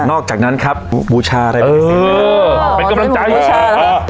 นอกจากนั้นครับบูชาอะไรเป็นสิ่งนี้เออเป็นกำลังใจอ่า